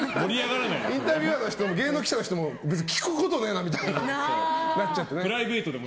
インタビュアーの人芸能記者の人も聞くことねえなみたいになっちゃって。